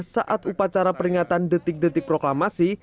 saat upacara peringatan detik detik proklamasi